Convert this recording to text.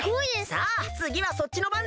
さあつぎはそっちのばんだ！